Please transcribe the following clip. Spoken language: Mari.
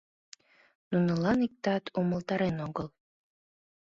Нунылан иктат умылтарен огыл.